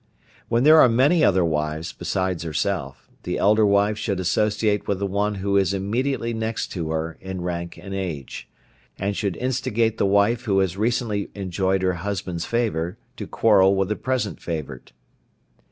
When there are many other wives besides herself, the elder wife should associate with the one who is immediately next to her in rank and age, and should instigate the wife who has recently enjoyed her husband's favour to quarrel with the present favourite.